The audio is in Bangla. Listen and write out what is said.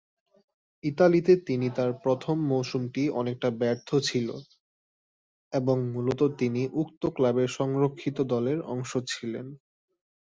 ইতালিতে তিনি তার প্রথম মৌসুমটি অনেকটা ব্যর্থ ছিল এবং মূলত তিনি উক্ত ক্লাবের সংরক্ষিত দলের অংশ ছিলেন।